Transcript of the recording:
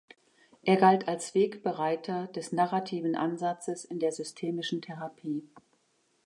Er galt als Wegbereiter des narrativen Ansatzes in der systemischen Therapie.